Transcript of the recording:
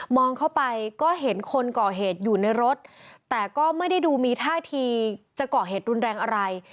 เข้าไปก็เห็นคนก่อเหตุอยู่ในรถแต่ก็ไม่ได้ดูมีท่าทีจะเกาะเหตุรุนแรงอะไร